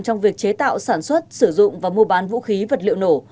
trong việc chế tạo sản xuất sử dụng và mua bán vũ khí vật liệu nổ